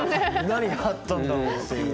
何があったんだろうっていう。